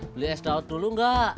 beli es dawat dulu gak